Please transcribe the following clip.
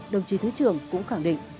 đồng chí thứ trưởng cũng khẳng định